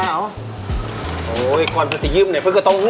โอ้ยไอ้กวนพระธริยึ่งเนี่ยเพื่อก็ต้องง่วง